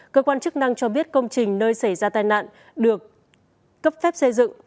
cơ quan chức năng cho biết công trình nơi xảy ra tai nạn được cấp phép xây dựng